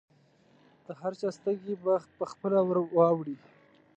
د هر چا سترګې به پخپله ورواوړي.